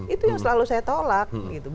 itu yang selalu saya tolak